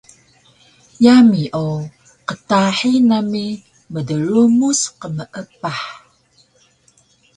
Yami o qtahi nami mdrumuc qmeepah